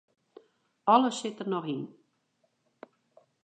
Alles sit der noch yn.